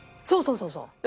そうそうそうそう。